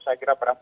saya kira berhasil